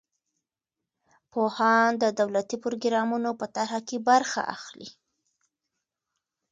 پوهان د دولتي پروګرامونو په طرحه کې برخه اخلي.